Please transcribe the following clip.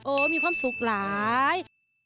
มีความสุขหลาย